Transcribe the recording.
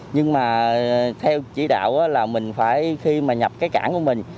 nhưng mà theo chỉ đạo là mình phải khi mà nhập cái cảng của mình